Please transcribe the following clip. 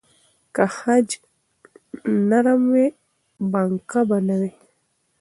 که خج نرم وای، بڼکه به نه وای.